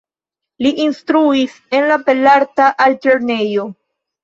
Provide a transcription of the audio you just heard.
Li instruis en la Belarta Altlernejo.